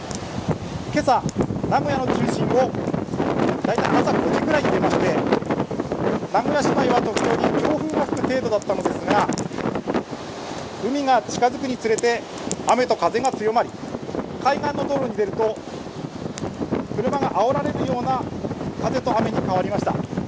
けさ名古屋を中心にだいたい朝５時ぐらいまで名古屋市内と同様に強風が吹く程度だったのですが海が近づくにつれて雨と風が強まり海岸の道路に出ると車があおられるような風と雨に変わりました。